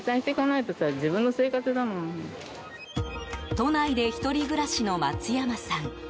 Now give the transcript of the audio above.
都内で１人暮らしの松山さん。